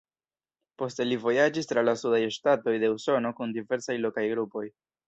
Poste li vojaĝis tra la sudaj ŝtatoj de Usono kun diversaj lokaj grupoj.